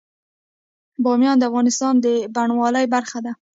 بامیان د افغانستان د بڼوالۍ برخه ده.